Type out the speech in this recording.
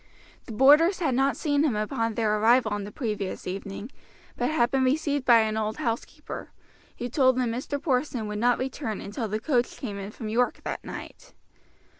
The boarders had not seen him upon their arrival on the previous evening, but had been received by an old housekeeper, who told them Mr. Porson would not return until the coach came in from York that night.